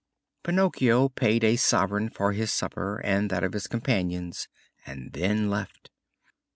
Pinocchio paid a sovereign for his supper and that of his companions, and then left.